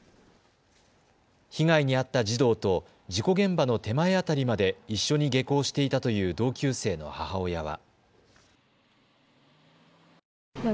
被害に遭った児童と事故現場の手前辺りまで一緒に下校していたという同級生の母親は。